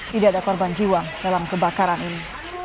tidak ada korban jiwa dalam kebakaran ini